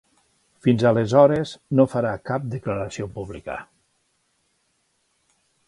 Fins aleshores no farà cap declaració pública.